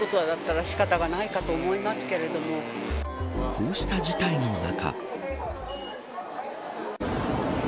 こうした事態の中。